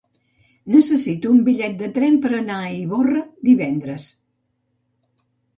Necessito un bitllet de tren per anar a Ivorra divendres.